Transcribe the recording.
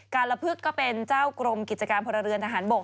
การละพึกก็เป็นเจ้ากรมกิจการพลเรือนทหารบก